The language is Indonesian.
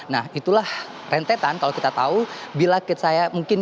nah itulah rentetan kalau kita tahu